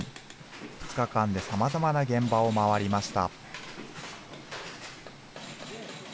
２日間でさまざまな現場を回りました。